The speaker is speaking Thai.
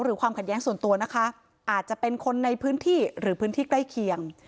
ความขัดแย้งส่วนตัวนะคะอาจจะเป็นคนในพื้นที่หรือพื้นที่ใกล้เคียง